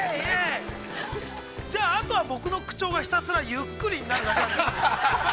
じゃああとは、僕の口調がひたすら、ゆっくりになるだけ。